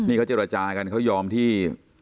นี่เขาเจรจากันเขายอมที่